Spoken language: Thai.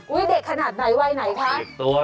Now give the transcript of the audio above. เด็กขนาดไหนวัยไหนคะ